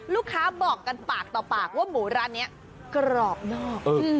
ลูกค้าบอกกันปากต่อปากว่าหมูร้านนี้กรอบนอก